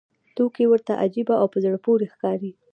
توکي ورته عجیبه او په زړه پورې ښکاري